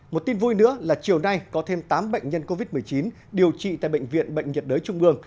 một tin vui nữa là chiều nay có thêm tám bệnh nhân covid một mươi chín điều trị tại bệnh viện bệnh nhiệt đới trung ương